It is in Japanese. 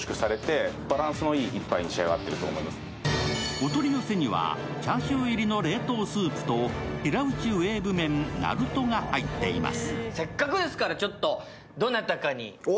お取り寄せにはチャーシュー入りの冷凍スープと平打ちウェーブ麺、なるとが入っています。